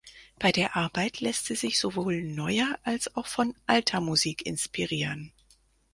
Bei der Arbeit lässt sie sich sowohl neuer, als auch von alter Musik inspirieren.